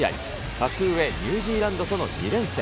格上ニュージーランドとの２連戦。